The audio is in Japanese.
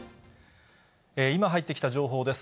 今入ってきた情報です。